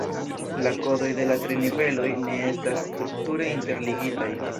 La kodoj de la tri niveloj ne estas strukture interligitaj.